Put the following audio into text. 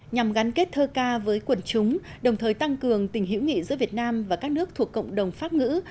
nhằm gắn kết thơ ca với quần chúng đồng thời tăng cường tình hiểu nghị giữa việt nam và các nước thuộc cộng đồng pháp ngữ